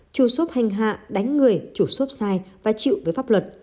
chủ shop hành hạ đánh người chủ xốp sai và chịu với pháp luật